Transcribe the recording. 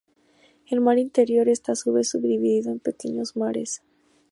El mar interior esta a su vez subdividido en pequeños mares.